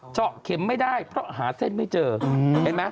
เจาะเข็มไม่ได้เพราะหาเส้นไม่เจอเห็นไหม